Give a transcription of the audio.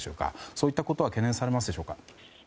そういったことは懸念されますでしょうか。